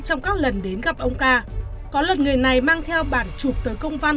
trong các lần đến gặp ông ca có lượt người này mang theo bản chụp tới công văn